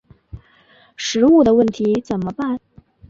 食物的问题怎么办？